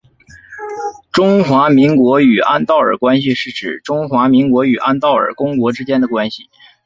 中华民国与安道尔关系是指中华民国与安道尔公国之间的关系。